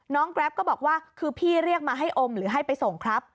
แกรปก็บอกว่าคือพี่เรียกมาให้อมหรือให้ไปส่งครับ